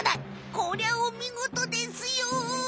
こりゃおみごとですよ！